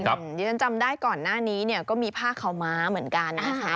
ที่ฉันจำได้ก่อนหน้านี้เนี่ยก็มีผ้าขาวม้าเหมือนกันนะคะ